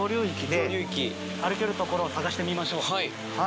歩ける所を探してみましょう。